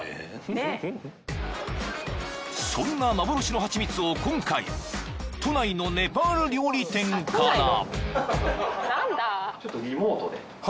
［そんな幻のハチミツを今回都内のネパール料理店から］